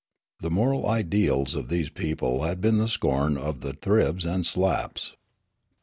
The moral ideals of this \)eople had been the scorn of the Thribs and Slaps.